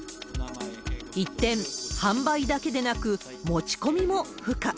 一転、販売だけでなく、持ち込みも不可。